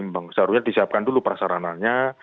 baru disiapkan dulu prasarananya